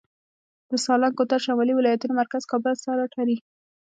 د سالنګ کوتل شمالي ولایتونه مرکز کابل سره تړي